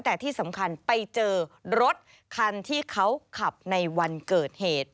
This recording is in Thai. แต่ที่สำคัญไปเจอรถคันที่เขาขับในวันเกิดเหตุ